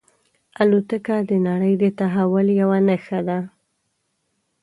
الوتکه د نړۍ د تحول یوه نښه ده.